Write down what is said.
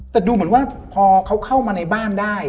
แต่ดูเหมือนว่าพอเขาเข้ามาในบ้านได้